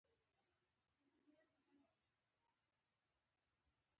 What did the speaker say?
ته باید هېڅکله، هېڅکله او هېڅکله نا امید نشې.